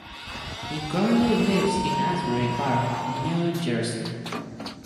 He currently lives in Asbury Park, New Jersey.